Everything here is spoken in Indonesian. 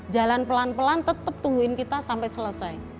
jalan pelan pelan tetap tungguin kita sampai selesai